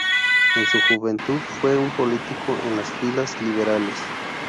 En su juventud fue un político en las filas liberales.